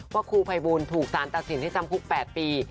ครูภัยบูลถูกสารตัดสินให้จำคุก๘ปี